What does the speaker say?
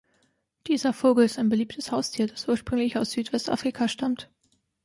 Dieser Vogel ist ein beliebtes Haustier, das ursprünglich aus Südwest-Afrika stammt.